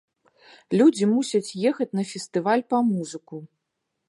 Людзі мусяць ехаць на фестываль па музыку.